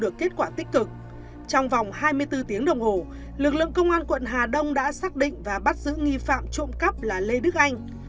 được kết quả tích cực trong vòng hai mươi bốn tiếng đồng hồ lực lượng công an quận hà đông đã xác định và bắt giữ nghi phạm trộm cắp là lê đức anh